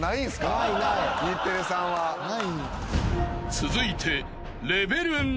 ［続いて］